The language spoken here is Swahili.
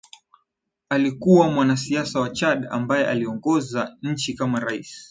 alikuwa mwanasiasa wa Chad ambaye aliongoza nchi kama Rais